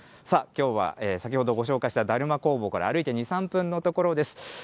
さあ、きょうは、先ほどご紹介しただるま工房から歩いて２、３分の所です。